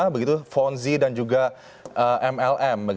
begitu fonzi dan juga mlm